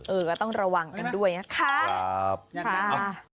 เออก็ต้องระวังกันด้วยนะคะ